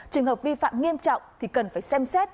trường hợp vi phạm nghiêm trọng thì cần phải xem xét